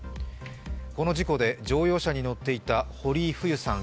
この事故で乗用車に乗っていた堀井フユさん